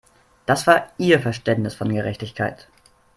Das war ihr Verständnis von Gerechtigkeit.